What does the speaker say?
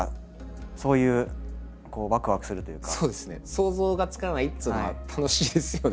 想像がつかないっていうのは楽しいですよね。